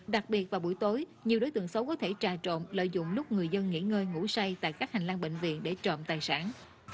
đặc biệt vào buổi tối nhiều đối tượng xấu có thể trà trộn lợi dụng lúc người dân nghỉ ngơi ngủ say tại các hành lang bệnh viện để trộm tài sản